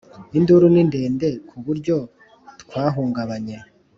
Induru ni ndende kuburyo twahungabanye